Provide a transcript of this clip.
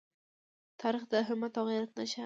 تاریخ د همت او غیرت نښان دی.